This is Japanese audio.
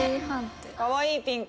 かわいいピンク。